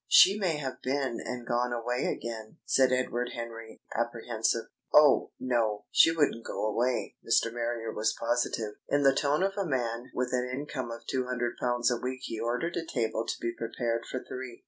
"She may have been and gone away again," said Edward Henry, apprehensive. "Oh, no! She wouldn't go away." Mr. Marrier was positive. In the tone of a man with an income of two hundred pounds a week he ordered a table to be prepared for three.